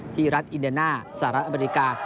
รัฐอินเดน่าสหรัฐอเมริกา